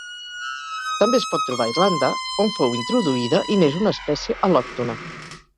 També es pot trobar a Irlanda, on fou introduïda i n'és una espècie al·lòctona.